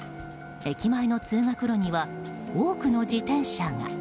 駅前の通学路には多くの自転車が。